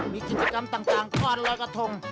มีกิจกรรมต่างทอดลอยกระทง